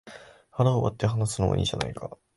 腹を割って話すのもいいじゃないか